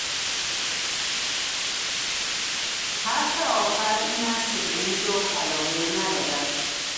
حرف آخر این است که به این شغل علاقهای ندارد.